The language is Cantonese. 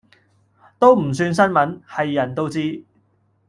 都唔算新聞，係人都知